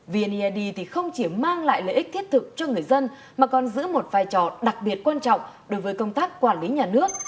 vneid không chỉ mang lại lợi ích thiết thực cho người dân mà còn giữ một vai trò đặc biệt quan trọng đối với công tác quản lý nhà nước